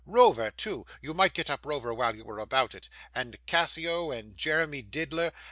Rover too; you might get up Rover while you were about it, and Cassio, and Jeremy Diddler.